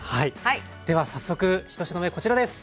では早速１品目こちらです。